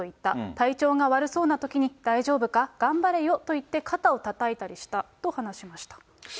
体調が悪そうなときに大丈夫か、頑張れよと言って、肩をたたいたりしたと話しました。